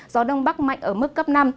do đông bắc mạnh ở mức cấp năm